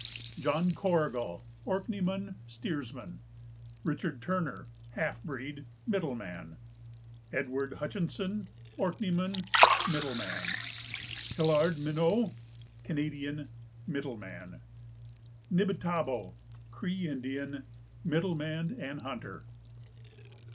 John Corrigal, Orkneyman, Steersman. Richard Turner, half breed, Middleman. Edward Hutchison, Orkneyman, ditto. Hilard Mineau, Canadian, ditto. Nibitabo, Cree Indian, ditto and hunter.